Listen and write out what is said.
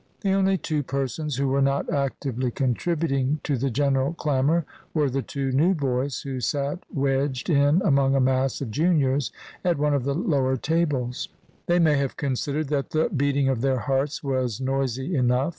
The only two persons who were not actively contributing to the general clamour were the two new boys who sat wedged in among a mass of juniors at one of the lower tables. They may have considered that the beating of their hearts was noisy enough.